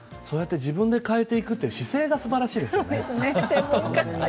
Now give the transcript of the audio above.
そうやって自分で変えていくという姿勢がすばらしいですね。